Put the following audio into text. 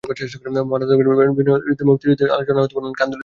মহান আত্মত্যাগের বিনিময়ে অর্জিত মুক্তিযুদ্ধ নিয়ে আলোচনা মনকে অনেক আন্দোলিত করেছে।